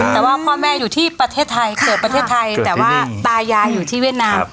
แต่ว่าพ่อแม่อยู่ที่ประเทศไทยเกิดประเทศไทยแต่ว่าตายายอยู่ที่เวียดนาม